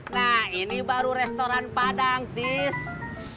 nah ini baru restoran padang tie